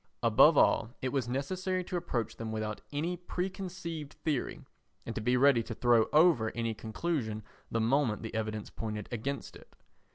Above all, it was necessary to approach them without any preconceived theory and to be ready to throw over any conclusion the moment the evidence pointed against it.